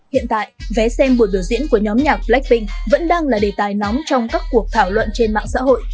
hiện tại vé xem buổi biểu diễn của nhóm nhạc blackpink vẫn đang là đề tài nóng trong các cuộc thảo luận trên mạng xã hội